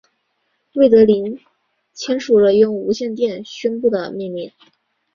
魏德林签署了用无线电宣布的命令。